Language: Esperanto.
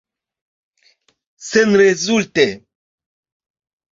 Senrezulte.